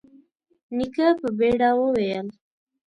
نيکه په بيړه وويل: